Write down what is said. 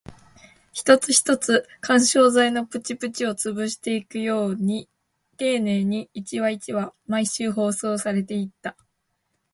一つ一つ、緩衝材のプチプチを潰していくように丁寧に、一話一話、毎週放送されていった